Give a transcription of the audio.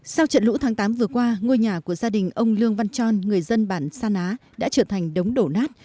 sau trận lũ tháng tám vừa qua ngôi nhà của gia đình ông lương văn tròn người dân bản sa ná đã trở thành đống đổ nát